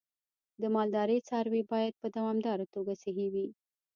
د مالدارۍ څاروی باید په دوامداره توګه صحي وي.